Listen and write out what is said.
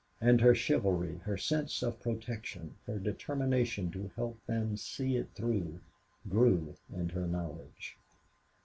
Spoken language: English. And her chivalry, her sense of protection, her determination to help them see it through, grew with her knowledge.